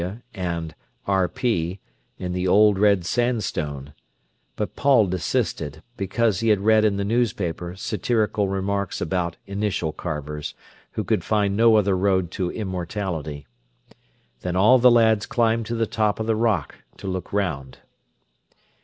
W." and "R. P.", in the old red sandstone; but Paul desisted, because he had read in the newspaper satirical remarks about initial carvers, who could find no other road to immortality. Then all the lads climbed to the top of the rock to look round.